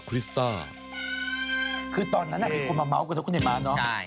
คือตอนนั้นน่ะเอกคนมาเมาส์กับทุกคนเด็ดมาเนอะ